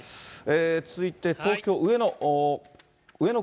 続いて東京・上野。